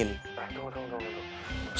tunggu tunggu tunggu